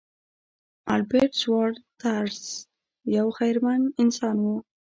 البرټ شوایتزر یو خیرمن انسان و.